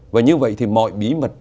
và như vậy thì mọi bí mật